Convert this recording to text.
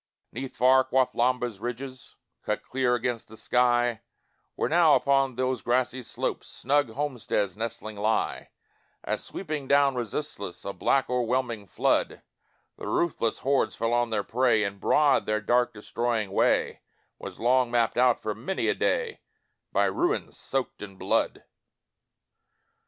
'Neath far Quathlamba's ridges Cut clear against the sky, Where now, upon those grassy slopes, Snug homesteads nestling lie; As sweeping down resistless, A black o'erwhelming flood, The ruthless hordes fell on their prey, And broad their dark destroying way Was long mapped out, for many a day, By ruins soaked in blood.